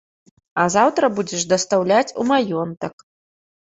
А заўтра будзеш дастаўляць у маёнтак.